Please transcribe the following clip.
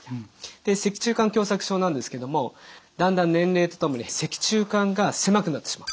で脊柱管狭窄症なんですけどもだんだん年齢とともに脊柱管が狭くなってしまう。